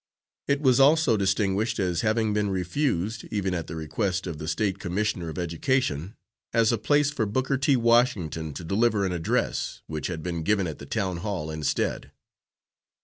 It was also distinguished as having been refused, even at the request of the State Commissioner of Education, as a place for Booker T. Washington to deliver an address, which had been given at the town hall instead.